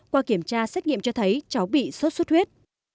qua kiểm tra xét nghiệm cho thấy cháu bị sốt xuất huyết